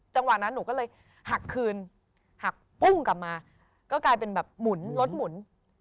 จังหวะหน้านั้นหนูเลยหักคืนก็กลายเป็นรถหมุน